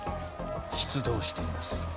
出動しています